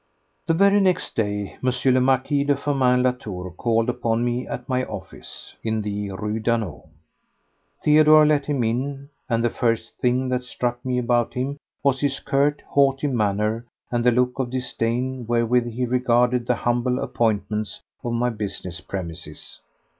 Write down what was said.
3. The very next day M. le Marquis de Firmin Latour called upon me at my office in the Rue Daunou. Theodore let him in, and the first thing that struck me about him was his curt, haughty manner and the look of disdain wherewith he regarded the humble appointments of my business premises.